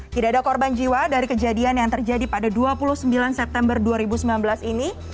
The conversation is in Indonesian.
tidak ada korban jiwa dari kejadian yang terjadi pada dua puluh sembilan september dua ribu sembilan belas ini